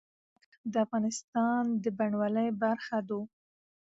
لمریز ځواک د افغانستان د بڼوالۍ برخه ده.